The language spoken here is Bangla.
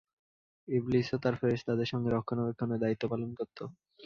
ইবলীসও তার ফেরেশতাদের সঙ্গে রক্ষণাবেক্ষণের দায়িত্ব পালন করত।